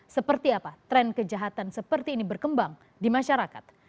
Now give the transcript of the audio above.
seperti apa tren kejahatan seperti ini berkembang di masyarakat